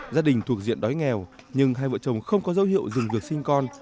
gia đình thuộc diện đói nghèo nhưng hai vợ chồng không có dấu hiệu dừng việc sinh con